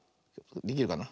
できるかな。